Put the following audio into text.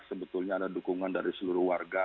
sebetulnya ada dukungan dari seluruh warga